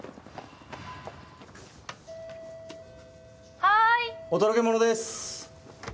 「はい」お届け物です。